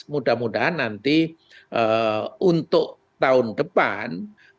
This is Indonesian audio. mudah mudahan nanti untuk tahun depan